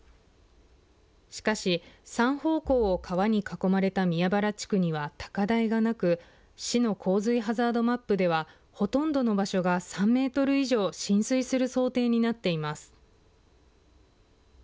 しかし３方向を川に囲まれた宮原地区には高台がなく市の洪水ハザードマップでは、ほとんどの場所が３メートル以上、浸水する想定になっています。